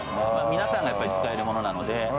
皆さんが使えるものなので。